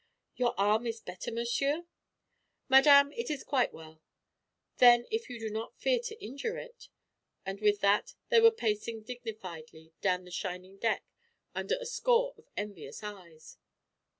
"Your arm is better, monsieur?" "Madame, it is quite well." "Then, if you do not fear to injure it " And with that they were pacing dignifiedly down the shining deck, under a score of envious eyes.